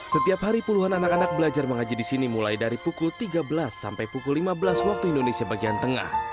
setiap hari puluhan anak anak belajar mengaji di sini mulai dari pukul tiga belas sampai pukul lima belas waktu indonesia bagian tengah